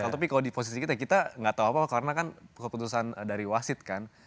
tapi kalau di posisi kita kita nggak tahu apa karena kan keputusan dari wasit kan